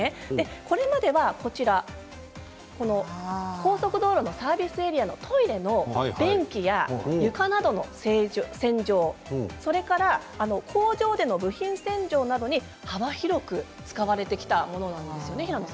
これまでは、こちら高速道路のサービスエリアのトイレの便器や床などの洗浄それから工場での部品洗浄などに幅広く使われてきたものなんです。